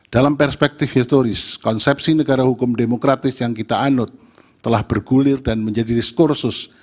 dalam perspektif historis konsepsi negara hukum demokratis yang kita anut telah bergulir dan menjadi diskursus